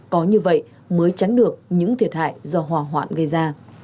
có như vậy mới tránh được những thiệt hại do hỏa hoạn gây ra